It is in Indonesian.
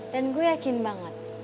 dan gue yakin banget